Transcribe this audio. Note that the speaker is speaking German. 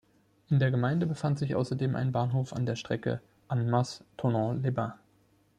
In der Gemeinde befand sich außerdem ein Bahnhof an der Strecke Annemasse–Thonon-les-Bains.